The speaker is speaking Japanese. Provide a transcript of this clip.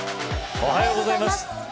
おはようございます。